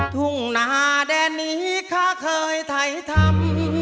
ทุ่งหน้าแดนนี้ข้าเคยไทยธรรม